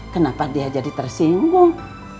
kenapa dia jadi tersinggung